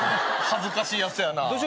恥ずかしいやつやなぁ。